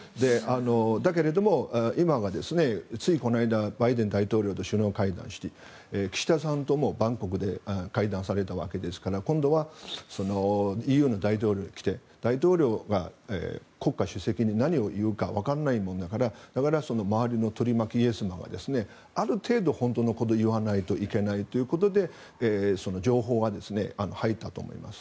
だけれども今、ついこの間バイデン大統領と首脳会談して岸田さんともバンコクで会談されたわけですから今度は、ＥＵの大統領が来て大統領が国家主席に何を言うかわからないものだから周りの取り巻き、イエスマンはある程度、本当のことを言わないというわけで情報が入ったと思います。